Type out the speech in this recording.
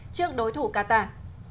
trước đối thủ qatar